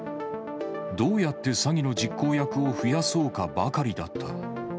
どうやって詐欺の実行役を増やそうかばかりだった。